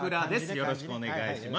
よろしくお願いします。